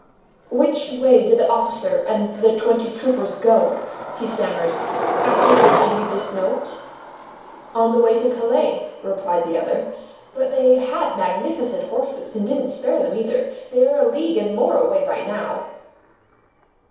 "Which way did the officer and the twenty troopers go," he stammered, "after they gave you this note?" "On the way to Calais," replied the other, "but they had magnificent horses, and didn't spare them either. They are a league and more away by now!"